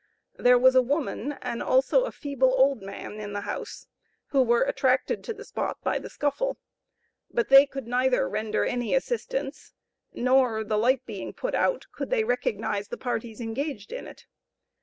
There was a woman, and also a feeble old man, in the house, who were attracted to the spot by the scuffle; but they could neither render any assistance, nor (the light being put out), could they recognize the parties engaged in it.